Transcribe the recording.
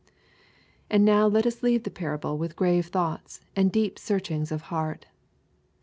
And now let us leave the parable with grave thoughts and deep searchings of heart.